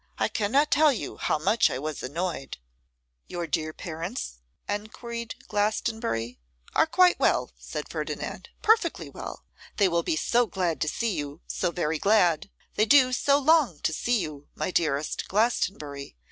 I cannot tell you how much I was annoyed!' 'Your dear parents?' enquired Glastonbury. 'Are quite well,' said Ferdinand, 'perfectly well. They will be so glad to see you, so very glad. They do so long to see you, my dearest Glastonbury.